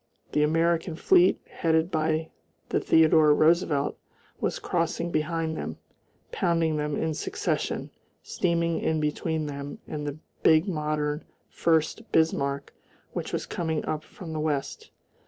The American fleet, headed by the Theodore Roosevelt, was crossing behind them, pounding them in succession, steaming in between them and the big modern Furst Bismarck, which was coming up from the west.